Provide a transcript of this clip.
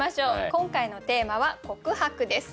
今回のテーマは「告白」です。